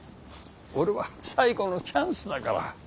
俺は最後のチャンスだから。